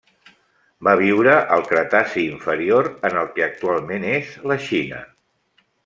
Va viure al Cretaci inferior en el que actualment és la Xina.